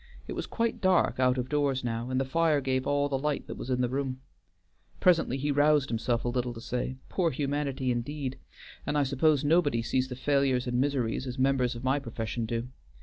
It was quite dark out of doors now, and the fire gave all the light that was in the room. Presently he roused himself a little to say "'Poor humanity,' indeed! And I suppose nobody sees the failures and miseries as members of my profession do.